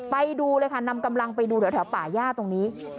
ไปดูเลยค่ะนำกำลังไปดูแถวป่าย่าตรงนี้